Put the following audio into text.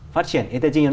phát triển kinh tế tư nhân